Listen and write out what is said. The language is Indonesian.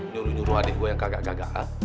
nyuruh nyuruh adik gue yang kagak gagalan